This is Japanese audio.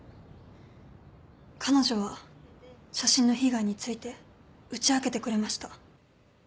彼女は写真の被害について打ち明けてくれました。